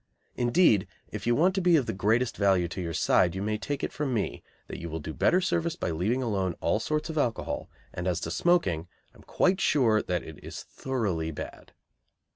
Indeed, if you want to be of the greatest value to your side you may take it from me that you will do better service by leaving alone all sorts of alcohol, and as to smoking, I am quite sure it is thoroughly bad.